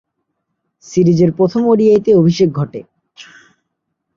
সিরিজের প্রথম ওডিআইয়ে অভিষেক ঘটে।